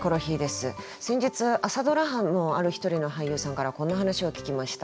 先日朝ドラ班のある一人の俳優さんからこんな話を聞きました。